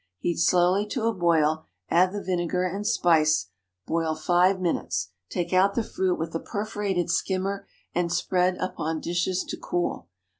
Heat slowly to a boil; add the vinegar and spice; boil five minutes; take out the fruit with a perforated skimmer and spread upon dishes to cool.